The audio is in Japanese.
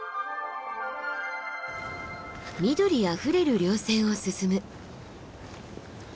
緑あふれる稜線を進む。